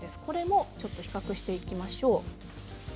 これも比較していきましょう。